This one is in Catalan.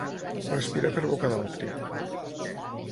Respirar per boca d'altri.